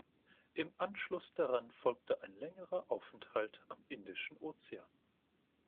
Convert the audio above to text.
Im Anschluss daran folgte ein längerer Aufenthalt am Indischen Ozean.